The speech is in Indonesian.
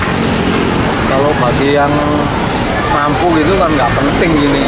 kalau bagi yang mampu gitu kan gak penting gini